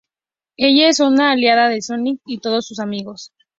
Ella es una aliada de Sonic y todos sus amigos.